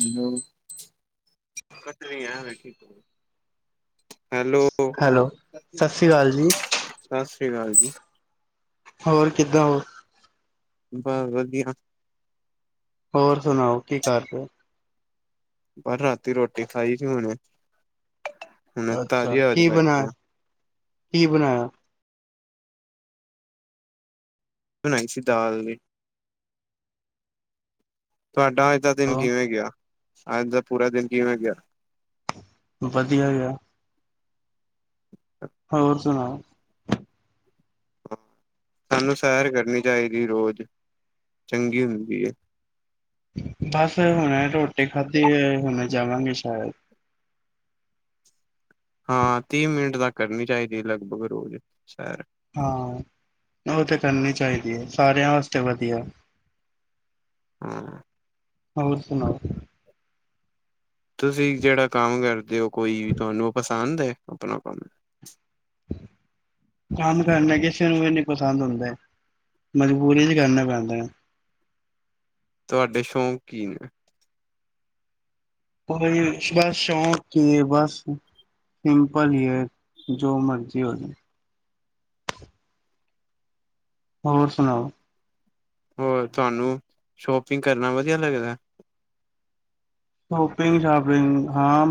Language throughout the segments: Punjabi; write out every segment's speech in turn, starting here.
Hello. [unintelligible] Hello, hello, Sri Akal ਜੀ, ਸਤਿ ਸ੍ਰੀ ਅਕਾਲ ਜੀ। ਹੋਰ ਕਿੱਦਾਂ ਓ? ਬਸ ਵਧੀਆ। ਹੋਰ ਸੁਣਾਓ ਕੀ ਕਰ ਰੇ ਓ? ਪਰ ਰਾਤੀ ਰੋਟੀ ਖਾਈ ਸੀ ਹੁਣ ਅੱਛਾ, ਤਾਜ਼ੀ ਹਵਾ ਚ ਕੀ ਬੈਠੇ ਬਣਾਇਆ ਆ ਕੀ ਬਣਾਇਆ? ਬਣਾਈ ਸੀ ਦਾਲ ਨੇ ਤੁਹਾਡਾ ਅੱਜ ਦਾ ਦਿਨ ਹੋ ਕਿਵੇਂ ਗਿਆ ਅੱਜ ਦਾ ਪੂਰਾ ਦਿਨ ਕਿਵੇਂ ਗਿਆ? ਵਧੀਆ ਗਿਆ। [unintelligible] ਹੋਰ ਸੁਣਾਓ? ਸਾਨੂੰ ਸੈਰ ਕਰਨੀ ਚਾਹੀਦੀ ਰੋਜ਼ ਚੰਗੀ ਹੁੰਦੀ ਏ। ਬਸ ਹੁਣੇ ਰੋਟੀ ਖਾਧੀ ਏ ਹੁਣੇ ਜਾਵਾਂਗੇ ਸ਼ੈਰ। ਹਾਂ, ਤੀਹ ਮਿੰਟ ਤੱਕ ਕਰਨੀ ਚਾਹੀਦੀ ਲਗਭਗ ਰੋਜ਼ ਸੈਰ। ਹਾਂ, ਓ ਤੇ ਕਰਨੀ ਚਾਹੀਦੀ ਐ ਸਾਰਿਆਂ ਵਾਸਤੇ ਵਧੀਆ। [inaudible] ਹੋਰ ਸੁਣਾਓ? ਤੁਸੀਂ ਜਿਹੜਾ ਕੰਮ ਕਰਦੇ ਓ ਕੋਈ ਵੀ ਤੁਹਾਨੂੰ ਪਸੰਦ ਐ ਆਪਣਾ ਕੰਮ। ਕੰਮ ਕਰਨਾ ਕਿਸੇ ਨੂੰ ਵੀ ਨੀ ਪਸੰਦ ਹੁੰਦੇ ਮਜਬੂਰੀ ਚ ਕਰਨੇ ਪੈਂਦੇ ਨੇ। ਤੁਹਾਡੇ ਸ਼ੌਂਕ ਕੀ ਨੇ? ਕੋਈ ਬਸ ਸ਼ੌਕ ਈ ਐ ਬਸ। ਸਿੰਪਲ ਈ ਐ ਜੋ ਮਰਜ਼ੀ ਹੋਜੇ। ਹੋਰ ਸੁਣਾਓ? ਹੋਰ ਤੁਹਾਨੂੰ ਸ਼ੋਪਿੰਗ ਕਰਨਾ ਵਧੀਆ ਲੱਗਦਾ। ਸ਼ੋਪਿੰਗ ਸ਼ਾਪਿੰਗ ਹਾਂ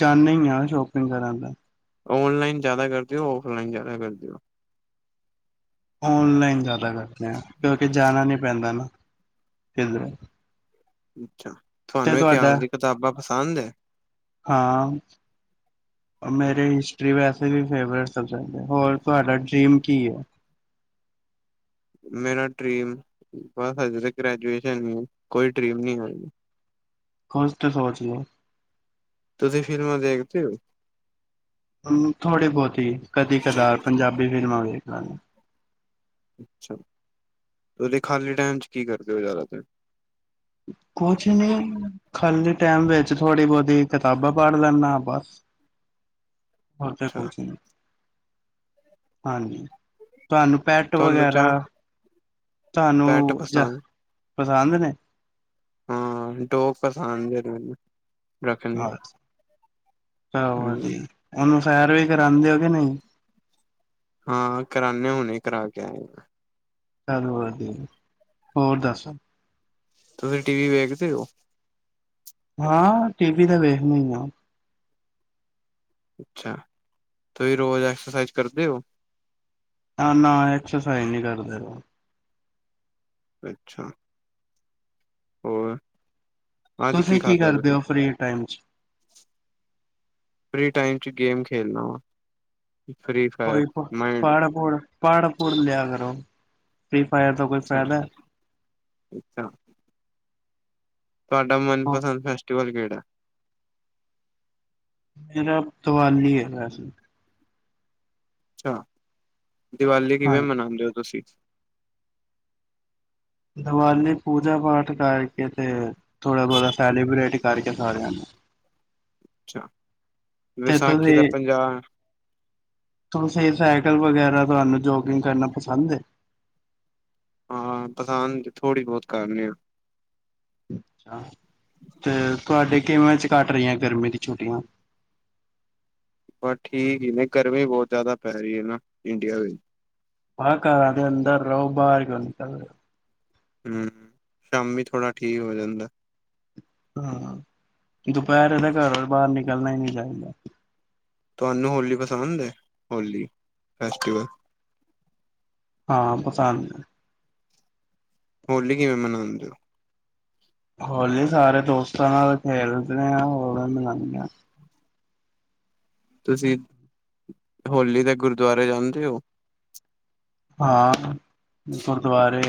ਜਾਣੇ ਈ ਆ ਸ਼ੋਪਿੰਗ ਕਰਨ ਤੇ। ਔਨਲਾਈਨ ਜ਼ਿਆਦਾ ਕਰਦੇ ਓ ਔਫਲਾਈਨ ਜ਼ਿਆਦਾ ਕਰਦੇ ਓ। ਔਨਲਾਈਨ ਜ਼ਿਆਦਾ ਕਰਦੇ ਆ ਕਿਉਂਕਿ ਜਾਣਾ ਨੀ ਪੈਂਦਾ ਨਾ ਕਿਧਰੇ। ਅੱਛਾ, ਤੇ ਤੁਹਾਨੂੰ ਤੁਹਾਡਾ ਇਤਿਹਾਸ ਦੀ ਕਿਤਾਬਾਂ ਪਸੰਦ ਏ? ਹਾਂ, ਮੇਰੇ ਹਿਸਟਰੀ ਵੈਸੇ ਵੀ ਫੇਵਰਟ ਸਬਜੈਕਟ ਹੋਰ ਤੁਹਾਡਾ ਡਰੀਮ ਕੀ ਐ? ਮੇਰਾ ਡਰੀਮ ਬਸ ਹਜੇ ਤੇ ਗ੍ਰੈਜੂਏਸ਼ਨ ਏ ਕੋਈ ਡਰੀਮ ਨੀ ਐ। ਕੁਝ ਤੇ ਸੋਚਲੋ। ਤੁਸੀਂ ਫਿਲਮਾਂ ਦੇਖਦੇ ਓ? ਥੋੜੀ ਬਹੁਤੀ ਕਦੀ ਕਦਾਰ, ਪੰਜਾਬੀ ਫਿਲਮਾਂ ਵੇਖ ਲਾਂਗੇ। ਅੱਛਾ, ਤੁਸੀਂ ਖਾਲੀ ਟਾਈਮ 'ਚ ਕੀ ਕਰਦੇ ਓ ਜ਼ਿਆਦਾਤਰ। ਕੁਛ ਨੀ ਖਾਲੀ ਟੈਮ ਵਿੱਚ, ਥੋੜ੍ਹੀ ਬਹੁਤੀ ਕਿਤਾਬਾਂ ਪੜ੍ਹ ਲੈਣਾ ਬਸ। [inaudible] ਹੋਰ ਤੇ ਅੱਛਾ ਕੁਛ ਨਹੀਂ, ਹਾਂਜੀ। ਤੁਹਾਨੂੰ ਪੈਟ ਤੁਹਾਨੂੰ ਵਗੈਰਾ, ਚਾਹ ਪੈਟ ਤੁਹਾਨੂੰ ਜ ਪਸੰਦ ਪਸੰਦ ਨੇ? ਹੂੰ, ਡੋਗ ਪਸੰਦ ਏ ਮੈਨੂੰ। ਰੱਖਣੀ ਅਛ, ਚਲੋ ਹੋਰ ਹਮ ਜੀ, ਉਹਨੂੰ ਸੈਰ ਵੀ ਕਰਾਂਦੇ ਓ ਕੇ ਨਹੀਂ‌। ਹਾਂ ਕਰਾਣੇ, ਹੁਣੇ ਕਰਾ ਕੇ ਆਏ। ਚਲ ਵਧੀਆ, ਹੋਰ ਦੱਸ? ਤੁਸੀਂ ਟੀ ਵੀ ਵੇਖਦੇ ਹੋ? ਹਾਂ, ਟੀ ਵੀ ਤੇ ਵੇਖਣੀ ਆ। ਅੱਛਾ, ਤੁਸੀਂ ਰੋਜ਼ ਐਕਸਰਸਾਈਜ਼ ਕਰਦੇ ਓ? ਆ, ਨਾ ਐਕਸਰਸਾਈਜ਼ ਨੀ ਕਰਦੇ ਰੋ ਅੱਛਾ। ਹੋਰ। ਅੱਜ ਤੁਸੀਂ ਕੀ ਖਾਧਾ ਕਰਦੇ ਤੁਸੀਂ ਓ, ਫ੍ਰੀ ਟਾਈਮ 'ਚ? ਫ੍ਰੀ ਟਾਈਮ 'ਚ ਗੇਮ ਖੇਲਣਾ ਵਾ। ਉ ਫ੍ਰੀ 'ਚ। ਕੋਈ ਪਹ, ਪੜ-ਪੂੜ, ਪੜ-ਪੂੜ ਲਿਆ ਕਰੋ, ਫ੍ਰੀ ਫਾਇਰ ਦਾ ਕੋਈ ਅੱਛਾ ਫ਼ਾਇਦਾ। ਅੱਛਾ। ਤੁਹਾਡਾ ਹੈ ਮਨਪਸੰਦ ਫੈਸਟੀਵਲ ਕਿਹੜਾ? ਮੇਰਾ ਤਵਾਲੀ ਐ ਵੈਸੇ। ਅੱਛਾ, ਦੀਵਾਲ਼ੀ ਕਿਵੇਂ ਹਾਂਜੀ ਮਨਾਉਂਦੇ ਓ ਤੁਸੀਂ। ਦੀਵਾਲੀ, ਪੂਜਾ ਪਾਠ ਕਰਕੇ ਤੇ ਥੋੜਾ ਬਹੁਤਾ ਸੈਲੀਬ੍ਰੇਟ ਕਰਕੇ ਸਾਰਿਆਂ ਨੂੰ। ਅੱਛਾ। ਤੇ ਵਿਸਾਖੀ ਦਾ ਤੁਹੀਂ। ਪੰਜਾਬ ਤੁਸੀਂ ਸਾਈਕਲ ਵਗੈਰਾ, ਤੁਹਾਨੂੰ ਜੋਗਿੰਗ ਕਰਨਾ ਪਸੰਦ ਏ। ਹਾਂ, ਪਸੰਦ ਥੋੜ੍ਹੀ ਬਹੁਤ ਕਰਨੇ ਆ। ਅੱਛਾ, ਤੇ ਤੁਹਾਡੇ ਕਿਵੇਂ 'ਚ ਕੱਟ ਰਹੀਆਂ, ਗਰਮੀ ਦੀ ਛੁੱਟੀਆਂ। ਬ ਠੀਕ ਈ ਨੇ, ਗਰਮੀ ਬਹੁਤ ਜ਼ਿਆਦਾ ਪੈ ਰੀ ਐ ਨਾ, ਇੰਡੀਆ ਵਿੱਚ। ਹਾਂ, ਘਰਾ ਦੇ ਅੰਦਰ ਰਹੋ, ਬਾਹਰ ਕਿਉਂ ਨਿਕਲਣਾ। ਹੂੰ, ਸ਼ਾਮੀ ਥੋੜਾ ਠੀਕ ਹੋ ਜਾਂਦਾ। ਹੁੰ, ਦੁਪਹਿਰ ਵੇਲੇ ਘਰੋ ਬਾਹਰ ਨਿਕਲਣਾ ਈ ਨਹੀਂ ਚਾਹੀਦਾ। ਤੁਹਾਨੂੰ ਹੋਲੀ ਪਸੰਦ ਏ, ਹੋਲੀ ਫੈਸਟੀਵਲ। ਹਾਂ, ਪਸੰਦ। ਹੋਲੀ ਕਿਵੇਂ ਮਨਾਂਦੇ ਓ? ਹੋਲੀ, ਸਾਰੇ ਦੋਸਤਾਂ ਨਾਲ ਖੇਲਦੇ ਆ, ਹੋਲੀ ਮਨਾਂਨੇ ਆ। ਤੁਸੀਂ ਡੋਹਲੀ ਤੇ ਗੁਰਦੁਆਰੇ ਜਾਂਦੇ ਓ? ਹਾਂ ਗੁਰਦੁਵਾਰੇ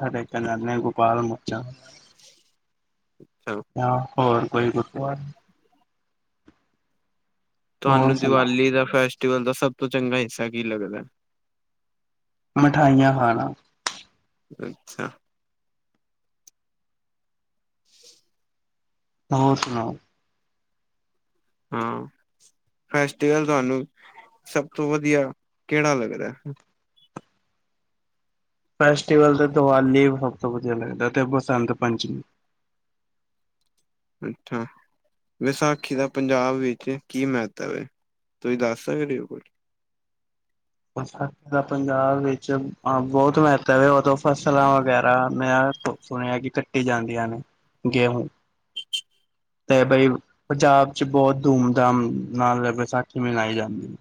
ਥੜੇ ਕੇ ਨਾਨੇ, ਗੋਪਾਲ ਮੁੱਚਾ, ਅੱਛਾ ਆ। ਹੋਰ ਕੋਈ ਗੁਰਦਵਾਰ ਤੁਹਾਨੂੰ ਦੀਵਾਲੀ ਦਾ ਫੈਸਟੀਵਲ ਦਾ ਸਭ ਤੋਂ ਚੰਗਾ ਹਿੱਸਾ ਕੀ ਲੱਗਦਾ? ਮਠਾਈਆਂ ਖਾਣਾ। ਅੱਛਾ। ਹੋਰ ਸੁਣਾਓ? ਹੂ, ਫੈਸਟੀਵਲ ਤੁਹਾਨੂੰ, ਸਭ ਤੋਂ ਵਧੀਆ ਕਿਹੜਾ ਲੱਗਦਾ? ਫੈਸਟੀਵਲ ਤੇ ਦੀਵਾਲ਼ੀ ਸਭ ਤੋਂ ਵਧੀਆ ਲੱਗਦਾ ਤੇ ਬਸੰਤ ਪੰਚਮੀ। ਅੱਛਾ। ਵਿਸਾਖੀ ਦਾ ਪੰਜਾਬ ਵਿੱਚ ਕੀ ਮਹੱਤਵ ਹੈ ਤੁਸੀਂ ਦੱਸ ਸਕਦੇ ਓ ਕੁਝ? ਵਿਸਾਖੀ ਦਾ ਪੰਜਾਬ ਵਿੱਚ ਬਹੁਤ ਮਹੱਤਵ ਐ ਓਦੋਂ ਫਸਲਾਂ ਵਗੈਰਾ। ਸੁਣਿਆ ਕੀ ਕੱਟੀ ਜਾਂਦੀਆਂ ਨੇ ਗੇਹੂ। ਤੇ ਬਈ ਪੰਜਾਬ ਚ ਬਹੁਤ ਧੁਮ- ਧਾਮ ਨਾਲ ਵਿਸਾਖੀ ਮਨਾਈ ਜਾਂਦੀ।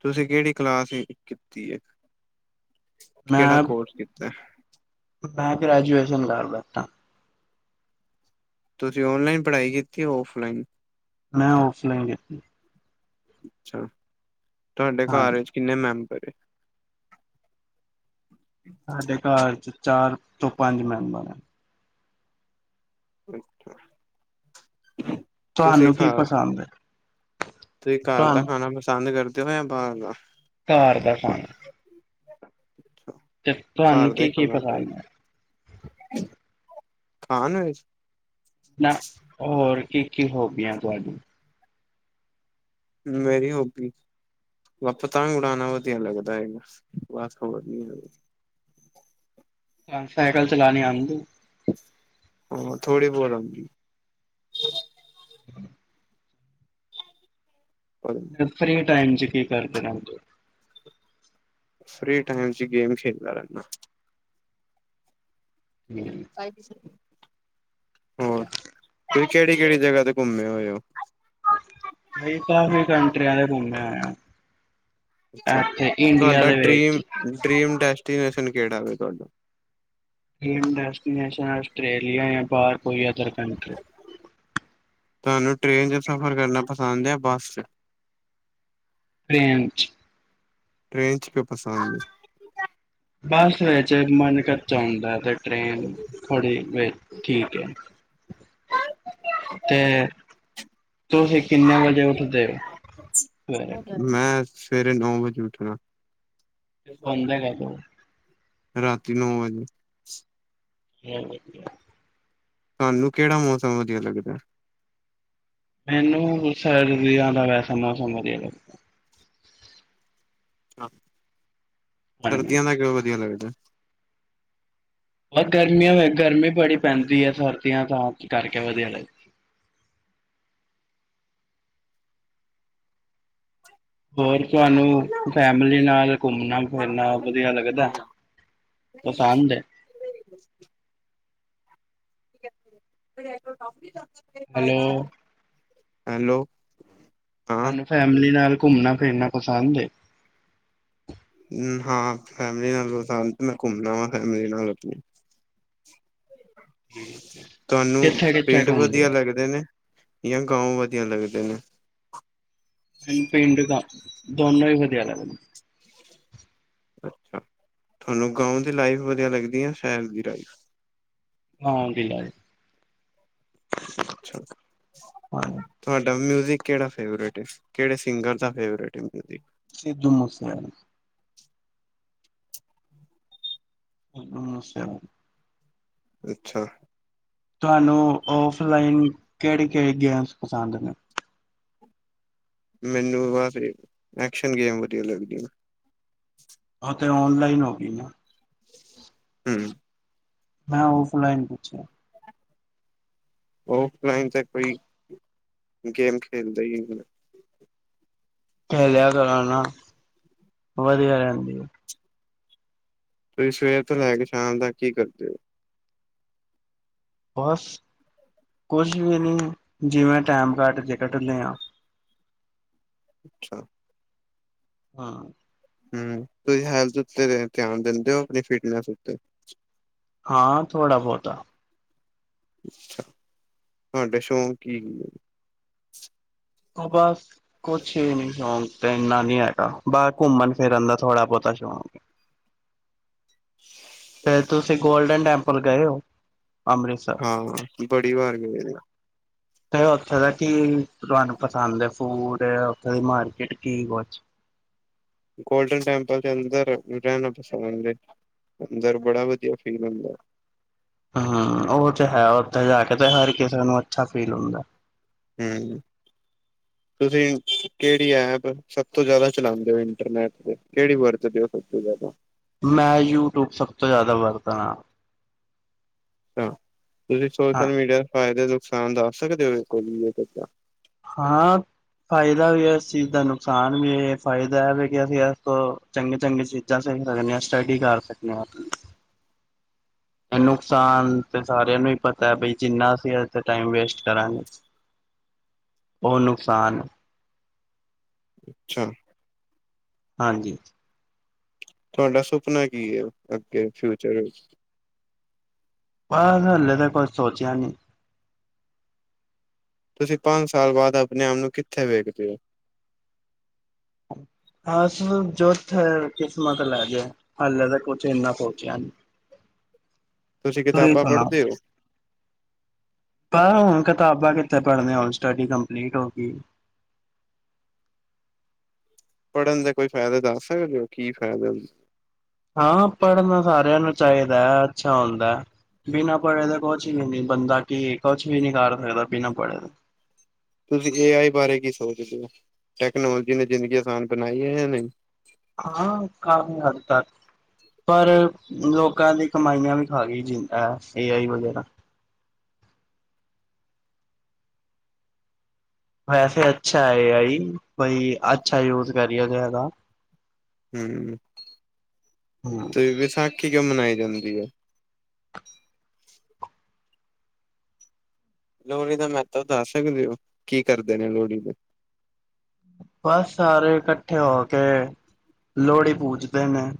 ਤੁਸੀਂ ਕਿਹੜੀ ਕਲਾਸ ਕੀਤੀ ਐ ਕਿਹੜਾ ਮੈਂ ਕੋਰਸ ਕੀਤੈ। ਮੈਂ ਗ੍ਰੈਜੂਏਸ਼ਨ ਕਰਦਾ ਪਿਆ। ਤੁਸੀਂ ਔਨਲਾਈਨ ਪੜ੍ਹਾਈ ਕੀਤੀ ਔਫਲਾਈਨ? ਮੈਂ ਔਫਲਾਾਈਨ ਕੀਤੀ। ਅੱਛਾ ਤੁਹਾਡੇ ਘਰ ਹਾਂਜੀ ਵਿੱਚ ਕਿੰਨੇ ਮੈਂਬਰ ਏ? ਸਾਡੇ ਘਰ ਚ ਚਾਰ ਤੋਂ ਪੰਜ ਮੈਂਬਰ ਐ। ਅੱਛਾ। ਤੁਸੀਂ ਤੁਹਾਨੂੰ ਕੀ ਖਾ ਪਸੰਦ ਹੈ ਤੁਸੀਂ ਘਰ ਦਾ ਤੁਹਾਨੂੰ ਖਾਣਾ ਪਸੰਦ ਕਰਦੇ ਓ ਜਾਂ ਬਾਰ ਦਾ? ਘਰ ਦਾ ਖਾਣਾ। ਤੇ ਤੁਹਾਨੂੰ ਘਰ ਦਾ ਈ ਕੀ-ਕੀ ਖਾਣਾ ਚਾਈਦੈ। ਪਸੰਦ ਹੈ ਖਾਣ ਵਿਚ। ਨਾ ਹੋਰ ਕੀ-ਕੀ ਹੋਬੀਆਂ ਤੁਹਾਡੀ? ਮੇਰੀ ਹੋਬੀ ਵਾ ਪਤੰਗ ਉੜਾਣਾ ਵਧੀਆ ਲੱਗਦਾ ਹੈਗਾ ਬਸ ਹੋਰ ਨੀ। ਸਾਈਕਲ ਚਲਾਣੀ ਆਂਦੀ? ਹਾਂ ਥੋੜੀ ਬੋਤ ਆਂਦੀ। [unintelligible] [inaudible] ਫਰੀ ਟਾਈਮ ਚ ਕੀ ਕਰਦੇ ਰੈਂਦੇ ਓ? ਫ੍ਰੀ ਟਾਈਮ ਚ ਗੇਮ ਖੇਲਦਾ ਰੈਨਾ। ਹੂੰ। ਫਾਈ [inaudible] [unintelligible] ਤੁਸੀਂ ਕੇੜੀ-ਕੇੜੀ ਜਗ੍ਹਾ ਤੇ ਘੁੰਮੇ ਹੋਏ ਓ? ਵੈਸੇ ਕਾਫੀ ਕੰਟਰੀਆਂ ਦੇ ਘੁੰਮੇ ਹੋਏ ਆ। ਅੱਛਾ ਤੁਹਾਡਾ ਦੇ ਵਿੱਚ ਡਰੀਮ ਡੈਸਟੀਨੇਸ਼ਨ ਕੇੜਾ ਤੁਹਾਡਾ? ਡ੍ਰੀਮ ਡੈਸਟੀਨੇਸ਼ਨ ਆਸਟ੍ਰੇਲੀਆ ਜਾਂ ਬਾਰ ਕੋਈ ਅਦਰ ਕੰਟਰੀ। ਤੁਹਾਨੂੰ ਟ੍ਰੇਨ ਚ ਸਫ਼ਰ ਕਰਨਾ ਪਸੰਦ ਐ ਬੱਸ ਚ? ਟ੍ਰੇਨ ਚ। ਟ੍ਰੇਨ ਚ ਕਿਓ ਪਸੰਦ ਏ? ਬੱਸ ਵਿੱਚ ਮਨ ਕੱਚਾ ਹੁੰਦਾ ਤੇ ਟ੍ਰੇਨ ਬੜੇ ਬਾਈ ਠੀਕ ਐ। [unintelligible] ਅਤੇ ਤੁਸੀ ਕਿੰਨੇ ਵਜੇ ਉੱਠਦੇ ਓ ਸਵੇਰੇ? ਏ? ਮੈਂ ਸਵੇਰੇ ਨੌ ਵਜੇ ਉੱਠਣਾ। ਸੌਂਦੇ ਕਦੋਂ? ਰਾਤੀ ਨੌ ਵਜੇ। ਹੂੰ, ਹੋਰ ਵਧੀਆ। ਤੁਹਾਨੂੰ ਕੇੜਾ ਮੌਸਮ ਵਧੀਆ ਲੱਗਦੈ? ਮੈਨੂੰ ਸਰਦੀਆਂ ਦਾ ਵੈਸਾ ਮੌਸਮ ਵਧੀਆ ਲੱਗ ਲੱਗਦਾ। ਸਰਦੀਆਂ ਦਾ ਕਿਓ ਵਧੀਆ ਲੱਗਦਾ? ਬ ਗਰਮੀਆਂ ਗਰਮੀ ਬੜੀ ਪੈਂਦੀ ਐ ਸਰਦੀਆਂ ਤਾਂ ਕਰਕੇ ਵਧੀਆ ਲੱਗ ਹੋਰ ਤੁਹਾਨੂੰ ਫੈਮਲੀ ਨਾਲ ਘੁੰਮਣਾ ਫਿਰਨਾ ਵਧੀਆ ਲੱਗਦੈ? ਪਸੰਦ ਏ! Hello [unintelligible] hello. ਹਾਂ ਤੁਹਾਨੂੰ ਫੈਮਿਲੀ ਨਾਲ ਘੁੰਮਣਾ ਫਿਰਨਾ ਪਸੰਦ ਏ? ਹਾਂ, ਫੈਮਿਲੀ ਨਾਲ [unintelligible] ਮੈਂ ਘੁੰਮਣਾ ਵਾ ਫੈਮਿਲੀ ਨਾਲ ਆਪਣੀ ਤੁਹਾਨੂੰ, ਕਿੱਥੇ ਕਿੱਥੇ ਪਿੰਡ ਘੁੰਮਦੇ ਹੋ? ਵਧੀਆ ਲੱਗਦੇ ਨੇ? ਜਾਂ ਗਾਓਂ ਵਧੀਆ ਲੱਗਦੇ ਨੇ? ਪਿੰਡ ਗਾਂ ਦੋਨੋ ਈ ਵਧੀਆ ਲੱਗਦੇ ਨੇ। ਅੱਛਾ, ਤੁਹਾਨੂੰ ਗਾਓਂ ਦੀ ਲਾਈਫ ਵਧੀਆ ਲੱਗਦੀ ਆ ਜਾ ਸ਼ਹਿਰ ਦੀ ਲਾਈਫ? ਗਾਓਂ ਦੀ ਲਾਈਫ ਅੱਛਾ। ਹਾਂ ਤੁਹਾਡਾ ਮਿਊਜ਼ਿਕ ਕਿਹੜਾ ਫੇਵਰੇਟ ਕਿਹੜੇ ਸਿੰਗਰ ਦਾ ਫੇਵਰੇਟ ਐ ਮਿਊਜ਼ਿਕ। ਸਿੱਧੂ ਮੂਸੇ ਆਲੇ। ਸਿੱਧੂ ਮੂਸੇ ਆਲਾ। ਅੱਛਾ। ਤੁਹਾਨੂੰ ਔਫਲਾਈਨ, ਕਿਹੜੀ ਕਿਹੜੀ ਗੇਮਸ ਪਸੰਦ ਨੇ? ਮੈਨੂੰ ਬਸ ਐਕਸ਼ਨ ਗੇਮ ਵਧੀਆ ਲੱਗਦੀ ਓ ਤੇ ਔਨਲਾਈਨ ਹੋਗੀ ਨਾ ਹੂੰ, ਮੈਂ ਔਫਲਾਈਨ ਪੁੱਛਿਆ? ਔਫਲਾਈਨ ਤੇ ਕੋਈ ਗੇਮ ਖੇਲਦੇ ਈ ਨੀ ਖੇਲਿਆ ਕਰੋ ਨਾ ਵਧੀਆ ਰਹਿੰਦੀ ਐ ਤੁਸੀਂ ਸਵੇਰ ਤੋਂ ਲੈ ਕੇ ਸ਼ਾਮ ਤੱਕ ਕੀ ਕਰਦੇ ਓ? ਬਸ ਕੁਛ ਵੀ ਨੀ ਜਿਵੇਂ ਟੈਮ ਕੱਟ ਜੇ ਕੱਢ ਲਿਆ ਅੱਛਾ। ਹਾਂ। ਹੂੰ, ਤੁਸੀਂ ਹੈਲਥ ਉਤੇ ਧਿਆਨ ਦਿੰਦੇ ਓ ਆਪਣੀ ਫਿਟਨੈਸ ਉਤੇ? ਹਾਂ ਥੋੜ੍ਹਾ ਬੋਤਾ ਤੁਹਾਡੇ ਸ਼ੌਂਕ ਕੀ ਹੁੰਦੇ? ਓ ਬਸ ਕੁਛ ਵੀ ਨੀ ਸ਼ੌਕ ਤੇ ਇੰਨਾ ਨੀ ਹੈਗਾ ਬਾਰ ਘੁੰਮਣ- ਫਿਰਨ ਦਾ ਥੋੜਾ ਬਹੁਤਾ ਸ਼ੌਕ ਏ ਕਦੇ ਤੁਸੀਂ ਗੋਲਡਨ ਟੈਂਪਲ ਗਏ ਓ ਅੰਮ੍ਰਿਤਸਰ? ਹਾਂ ਬੜੀ ਵਾਰ ਗਏ ਨੇ ਤੇ ਓਥੇ ਦਾ ਕਿ ਤੁਹਾਨੂੰ ਪਸੰਦ ਐ ਫੂਡ? ਤੇ ਉੱਥੇ ਦੀ ਮਾਰਕੀਟ ਕੀ ਕੁੱਛ? ਗੋਲਡਨ ਟੈਪਲ ਚ ਅੰਦਰ ਰਹਿਣਾ ਪਸੰਦ ਏ। ਅੰਦਰ ਬੜਾ ਵਧੀਆ ਫੀਲ ਹੁੰਦਾ। ਹਾਂ, ਉਹ ਚ ਹੈ। ਉੱਥੇ ਜਾ ਕੇ ਤੇ ਹਰ ਕਿਸੇ ਨੂੰ ਅੱਛਾ ਫੀਲ ਹੁੰਦਾ। ਹੂੰ, ਤੁਸੀਂ ਕਿਹੜੀ ਐਪ ਸਭ ਤੋਂ ਜ਼ਿਆਦਾ ਚਲਾਂਦੇ ਓ ਇੰਟਰਨੈਟ ਤੇ ਕਿਹੜੀ ਵਰਤਦੇ ਓ ਸਭ ਤੋਂ ਜ਼ਿਆਦਾ ਮੈਂ ਯੂਟਿਊਬ ਸਭ ਤੋਂ ਜ਼ਿਆਦਾ ਵਰਤਣਾ ਅੱਛਾ, ਤੁਸੀਂ ਹਾਂ ਸੋਸ਼ਲ ਮੀਡੀਆ ਦੇ ਫਾਇਦੇ ਨੁਕਸਾਨ ਦੱਸ ਸਕਦੇ ਓ [unintelligible] ਹਾਂ ਫਾਇਦਾ ਵੀ ਐ ਇਸ ਚੀਜ਼ ਦਾ ਨੁਕਸਾਨ ਵੀ ਐ ਫਾਇਦਾ ਐ ਵੀ ਅਸੀਂ ਇਸ ਤੋਂ ਚੰਗੇ ਚੰਗੀ ਚੀਜ਼ਾਂ ਸਿੱਖ ਸਕਦੇ ਆ। ਸਟੱਡੀ ਕਰ ਸਕਦੇ ਆ ਏ ਨੁਕਸਾਨ ਤੇ ਸਾਰਿਆਂ ਨੂੰ ਈ ਪਤਾ ਵੀ ਜਿੰਨਾ ਅਸੀਂ ਏਦੇ ਤੇ ਟਾਈਮ ਵੇਸਟ ਕਰਾਂਗੇ [inaudible] ਉਹ ਨੁਕਸਾਨ ਅੱਛਾ। ਹਾਂਜੀ। ਤੁਹਾਡਾ ਸੁਪਨਾ ਕੀ ਹੈ? ਅੱਗੇ ਫਿਊਚਰ ਵਿੱਚ ਬਸ ਹਲੇ ਤਾਂ ਕੋਈ ਸੋਚਿਆ ਨੀ ਤੁਸੀਂ ਪੰਜ ਸਾਲ ਬਾਅਦ ਆਪਣੇ ਆਪ ਨੂੰ ਕਿੱਥੇ ਵੇਖਦੇ ਹੋ? ਹ ਜੋਥ ਕਿਸਮਤ ਲੈ ਜਾਇ ਹੱਲੇ ਤੇ ਕੁਝ ਇਨਾ ਸੋਚਿਆ ਨਹੀਂ ਤੁਸੀਂ ਕਿਤਾਬਾਂ ਸੁਣਾਓ? ਪੜ੍ਹਦੇ ਹੋ ਪਰ ਹੁਣ ਕਿਤਾਬਾਂ ਕਿੱਥੇ ਪੜ੍ਹਨੀਆਂ ਹੁਣ ਸਟੱਡੀ ਕੰਪਲੀਟ ਹੋ ਗਈ ਪੜ੍ਹਨ ਦੇ ਕੋਈ ਫਾਇਦਾ ਦੱਸ ਸਕਦੇ ਹੋ ਕੀ ਫਾਇਦਾ? ਹਾਂ ਪੜ੍ਹਨਾ ਸਾਰਿਆਂ ਨੂੰ ਚਾਹੀਦਾ ਹੈ, ਅੱਛਾ ਹੁੰਦਾ ਬਿਨਾਂ ਪੜ੍ਹੇ ਦੇ। ਕੁਛ ਵੀ ਨੀ ਬੰਦਾ ਕੀ ਕੁਛ ਵੀ ਨੀ ਕਰ ਸਕਦਾ ਪੀ ਨਾ ਪੜ੍ਹੇ। ਤੁਸੀਂ ਏ ਆਈ ਬਾਰੇ ਕੀ ਸੋਚਦੇ ਹੋ? ਟੈਕਨੋਲੋਜੀ ਨੇ ਜ਼ਿੰਦਗੀ ਆਸਾਨ ਬਣਾਈ ਹੈ ਜਾਂ ਨਹੀਂ? ਹਾਂ ਕਾਫੀ ਹੱਦ ਤੱਕ ਪਰ ਲੋਕਾਂ ਦੀ ਕਮਾਈਆਂ ਵੀ ਖਾ ਗਈ ਜੀ। ਹੈ ਸਹੀ ਆ ਹੀ ਵਗੈਰਾ। ਵੈਸੇ ਅੱਛਾ ਹੈ ਏ ਆਈ ਬਈ ਅੱਛਾ ਯੂਜ ਕਰਏ ਜ਼ਿਆਦਾ। ਹੂੰ ਹੂੰ ਤੇ ਵਿਸਾਖੀ ਕਿਉਂ ਮਨਾਈ ਜਾਂਦੀ ਹੈ? ਲੋਹੜੀ ਦਾ ਮਹੱਤਵ ਦੱਸ ਸਕਦੇ ਹੋ ਕੀ ਕਰਦੇ ਨੇ ਲੋਹੜੀ ਤੇ? ਬਸ ਸਾਰੇ ਇਕੱਠੇ ਹੋ ਕੇ ਲੋਹੜੀ ਪੂਜਦੇ ਨੇ।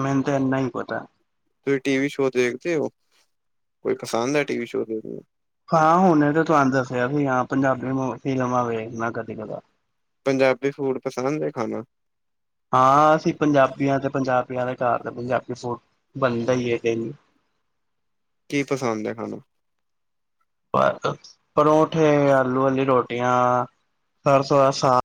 ਮੈਨੂੰ ਤੇ ਇੰਨਾ ਹੀ ਪਤਾ। ਤੁਸੀਂ ਟੀ ਵੀ ਸ਼ੋ ਦੇਖਦੇ ਹੋ ਕੋਈ ਪਸੰਦ ਹੈ, ਟੀ ਵੀ ਸ਼ੋ। ਹਾਂ ਹੁਣ ਤੇ ਤੁਹਾਨੂੰ ਦੱਸਿਆ ਵੀ ਹਾਂ ਪੰਜਾਬੀ ਫਿਲਮਾਂ ਵੇਖਣਾ ਕਦੇ ਕਦਾ। ਪੰਜਾਬੀ ਫੂਡ ਪਸੰਦ ਖਾਣਾ ਹਾਂ ਅਸੀਂ ਪੰਜਾਬੀਆਂ ਤੇ ਪੰਜਾਬੀਆਂ ਦੇ ਘਰ ਦੇ ਪੰਜਾਬੀ ਫੂਡ ਬਣਦਾ ਹੀ ਹੈ ਡੇਲੀ। ਕੀ ਪਸੰਦ ਹੈ ਖਾਣਾ? ਬਸ ਪਰੌਠੇ ਆਲੂ ਵਾਲੀ ਰੋਟੀਆਂ। ਸਰਸੋਂ ਦਾ ਸਾਗ।